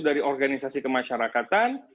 dari organisasi kemasyarakatan